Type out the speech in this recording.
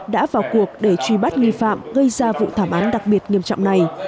đã vào cuộc để truy bắt nghi phạm gây ra vụ thảm án đặc biệt nghiêm trọng này